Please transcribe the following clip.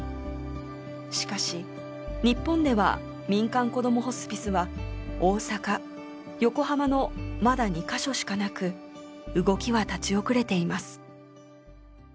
しかし日本では民間こどもホスピスは大阪横浜のまだ２カ所しかなく動きは立ち遅れています。